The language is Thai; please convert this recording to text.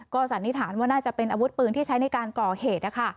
สันนิษฐานว่าน่าจะเป็นอาวุธปืนที่ใช้ในการก่อเหตุนะคะ